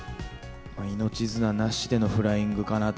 命綱なしでのフライングかなと。